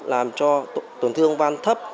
làm cho tổn thương van thấp